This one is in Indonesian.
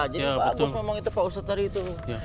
jadi pak agus memang itu pak ustadz tadi itu